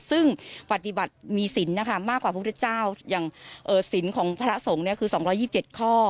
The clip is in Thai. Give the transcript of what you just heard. ซึ่งปฏิบัติมีสินนะคะมากกว่าพระพระเจ้าอย่างสินของพระสงฆ์เนี่ยคือ๒๒๗ข้อ